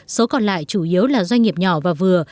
số còn lại chủ yếu là doanh nghiệp nhỏ và vừa